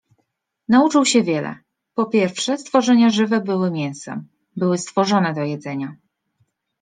Nauczył się wiele. Po pierwsze, stworzenia żywe były mięsem. Były stworzone do jedzenia.